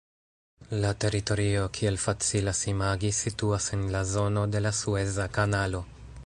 La teritorio, kiel facilas imagi, situas en la zono de la Sueza Kanalo.